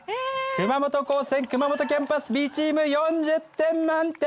熊本高専熊本キャンパスＢチーム４０点満点来ました！